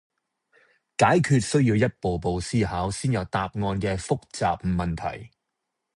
解決需要一步步思考先有答案嘅複雜問題